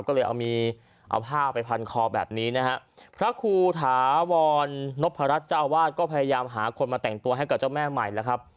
ก็เลยเอามีเอาผ้าไปพันคอแบบนี้นะฮะพระครูถาวรนพรัชเจ้าอาวาสก็พยายามหาคนมาแต่งตัวให้กับเจ้าแม่ใหม่แล้วครับ